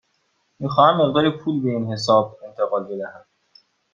می خواهم مقداری پول به این حساب انتقال بدهم.